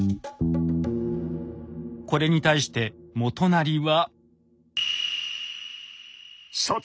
これに対して元就は。